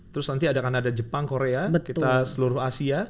terus nanti ada kanada jepang korea kita seluruh asia